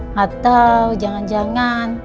gak tau jangan jangan